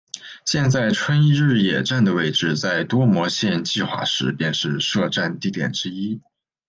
现在春日野站的位置在多摩线计画时便是设站地点之一。